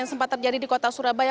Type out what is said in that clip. apa terjadi di kota surabaya